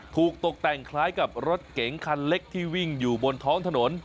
ตกแต่งคล้ายกับรถเก๋งคันเล็กที่วิ่งอยู่บนท้องถนน